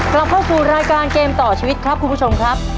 กลับเข้าสู่รายการเกมต่อชีวิตครับคุณผู้ชมครับ